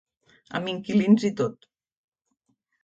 Amb inquilins i tot.